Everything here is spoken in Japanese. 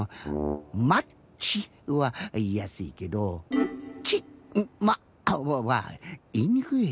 「マッチ」はいいやすいけど「チッマ」はいいにくい。